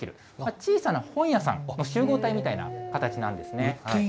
小さな本屋さんの集合体みたいな形なんですね。